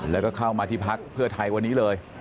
แล้วก็เข้ามาที่พักเพื่อไทยวันนี้เลย